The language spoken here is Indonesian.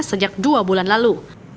sejak dua bulan lalu